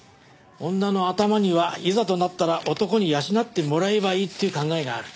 女の頭にはいざとなったら男に養ってもらえばいいっていう考えがある。